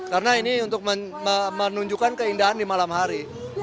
karena ini untuk menunjukkan keindahan di malam hari